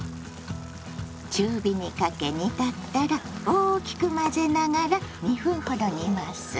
中火にかけ煮立ったら大きく混ぜながら２分ほど煮ます。